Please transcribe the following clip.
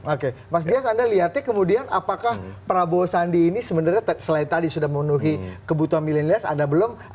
oke mas dias anda lihatnya kemudian apakah prabowo sandi ini sebenarnya selain tadi sudah memenuhi kebutuhan milenials anda belum